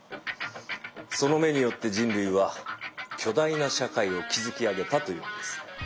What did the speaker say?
その「目」によって人類は巨大な社会を築き上げたというんです。